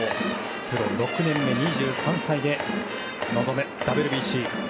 プロ６年目、２３歳で臨むＷＢＣ。